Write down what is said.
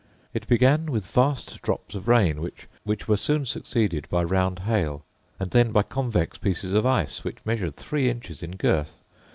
It began with vast drops of rain, which were soon succeeded by round hail, and then by convex pieces of ice, which measured three inches in girth.